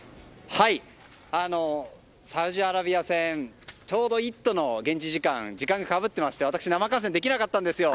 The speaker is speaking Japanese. サウジアラビア戦ちょうど「イット！」の現地時間時間がかぶっていまして私、生観戦できなかったんですよ。